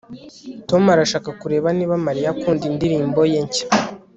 Tom arashaka kureba niba Mariya akunda indirimbo ye nshya